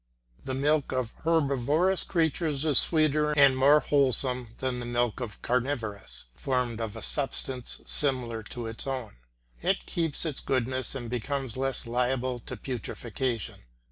The milk of herbivorous creatures is sweeter and more wholesome than the milk of the carnivorous; formed of a substance similar to its own, it keeps its goodness and becomes less liable to putrifaction.